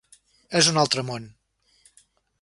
És un altre món.